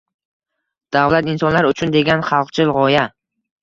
“Davlat– insonlar uchun” degan xalqchil g‘oya